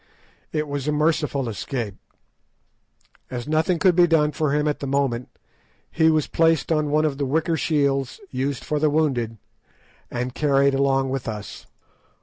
It was a merciful escape. As nothing could be done for him at the moment, he was placed on one of the wicker shields used for the wounded, and carried along with us.